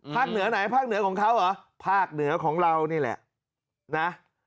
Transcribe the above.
เหนือไหนภาคเหนือของเขาเหรอภาคเหนือของเรานี่แหละนะ